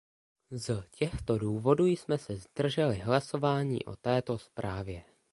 Z těchto důvodů jsme se zdrželi hlasování o této zprávě.